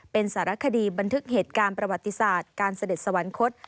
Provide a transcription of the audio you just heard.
เป็นสารคดีบันทึกเหตุการณ์ประวัติศาสตร์การเสด็จสวรรคต